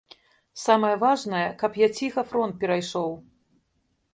Самае важнае, каб як ціха фронт перайшоў.